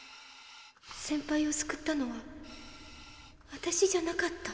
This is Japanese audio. センパイを救ったのは私じゃなかった。